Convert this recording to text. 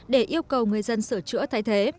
để yêu cầu người dân sửa chữa thay thế